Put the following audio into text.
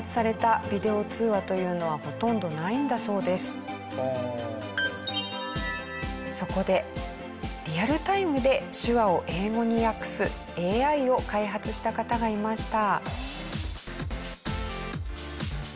近年そこでリアルタイムで手話を英語に訳すＡＩを開発した方がいました。